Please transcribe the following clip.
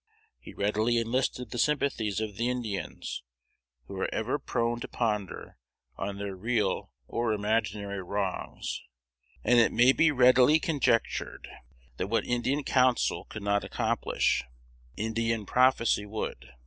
He readily enlisted the sympathies of the Indians, who are ever prone to ponder on their real or imaginary wrongs; and it may be readily conjectured that what Indian counsel could not accomplish, Indian prophecy would."